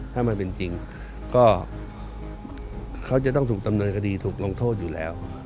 ถ้ามันเป็นจริงก็เขาจะต้องถูกดำเนินคดีถูกลงโทษอยู่แล้ว